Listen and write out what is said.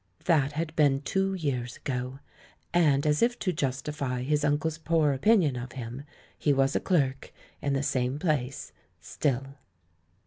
That had been two years ago; and, as if tb justify his uncle's poor opinion of him, he was a clerk in the same place still.